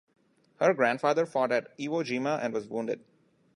Her grandfather fought at Iwo Jima and was wounded.